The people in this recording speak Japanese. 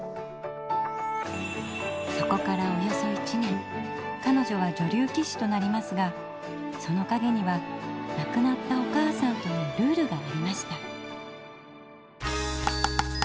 そこからおよそ１年かのじょは女流棋士となりますがそのかげにはなくなったお母さんとのルールがありました。